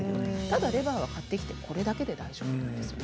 レバーは買ってきてこれだけで大丈夫ですね。